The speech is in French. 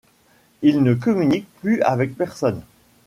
Ils ne communiquent plus avec personne.